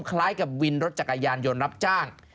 คล้ายกับวินรถจักรยานยนต์รับจ้าง